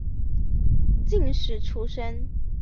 进士出身。